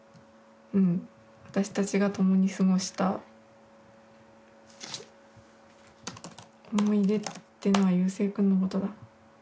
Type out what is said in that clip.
「私たちがともに過ごした思い出」っていうのは夕青くんのことだ。